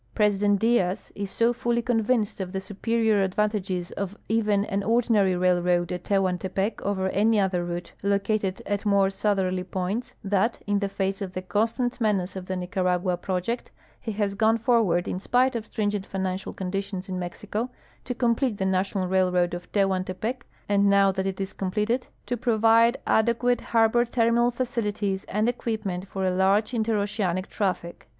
Pn'sident Diaz is so fully convinced of the superior advantages of even an ordinal'}' railroad at Tehuantejiec over any other route located at more southerly ])oints that, in the face of the comstant menace of the Nicaragua jiroject, he has gone forward, in spite of stringent financial conditions in IMexico, to complete the National Railroad of Tehuantepec, and nmv that it is completed to ])rovide ade(piate harbor terminal facilities and equipment for a large interoceanic traffic.